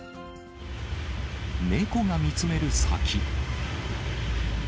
猫が見つめる先。